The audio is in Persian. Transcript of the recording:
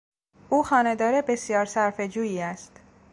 او خانه دار بسیار صرفه جویی است.